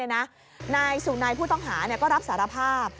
นายสุนัยผู้ต้องหาก็รับสารภาพ